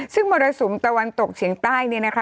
ซึ่งมรสุมตะวันตกเฉียงใต้เนี่ยนะคะ